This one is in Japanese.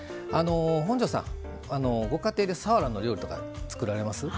本上さん、ご家庭でさわらの料理とか作られます？